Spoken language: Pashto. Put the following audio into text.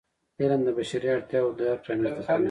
علم د بشري اړتیاوو درک رامنځته کوي.